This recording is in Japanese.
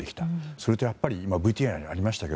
それとやっぱりＶＴＲにもありました